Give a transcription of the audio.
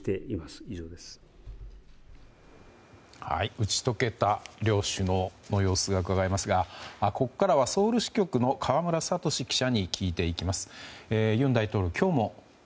打ち解けた両首脳の様子がうかがえますがここからはソウル支局の河村聡記者に聞いていきます。